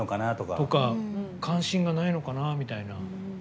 関心がないのかなみたいな。